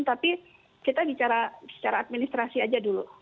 tapi kita bicara secara administrasi aja dulu